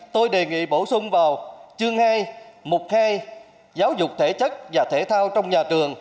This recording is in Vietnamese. tôi đề nghị bổ sung vào chương hai mục khai giáo dục thể chất và thể thao trong nhà trường